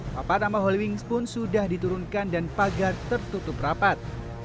papa nama holy wings pun sudah diturunkan dan pagar tertutup rapat